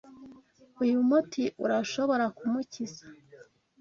Uyu muti urashobora kumukiza.